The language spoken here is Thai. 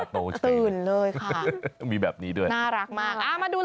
ตื่นเลยค่ะมีแบบนี้ด้วยนะน่ารักมากมาดู